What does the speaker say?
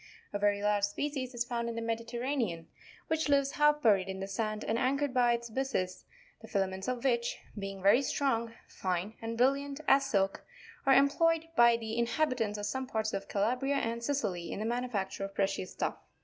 A very large species is found in the Mediterranean, which lives half buried in the sand, and anchored by its byssus, the fila ments of which, being very strong, fine, and brilliant as silk, are employed by the inhabitants of some parts of Calabria and Sicily in the manufacture of precious stuffs.